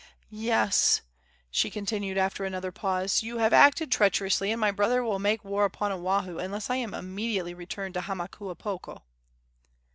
"Yes," she continued, after another pause, "you have acted treacherously, and my brother will make war upon Oahu unless I am immediately returned to Hamakuapoko."